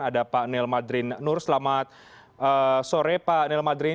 ada pak nelmadrin nur selamat sore pak nelmadrin